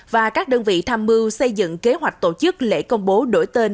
và các đơn vị tham mưu xây dựng kế hoạch tổ chức lễ công bố đổi tên